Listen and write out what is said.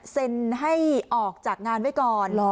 เซ็นให้ออกจากงานไว้ก่อน